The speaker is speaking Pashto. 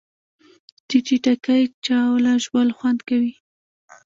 د ټیټاقې جاوله ژوول خوند کوي